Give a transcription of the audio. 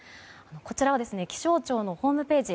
こちらは気象庁のホームページ